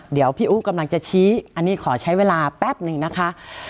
เดี๋ยวพี่อู๋กำลังจะชี้อันนี้ขอใช้เวลาแป๊บหนึ่งนะคะ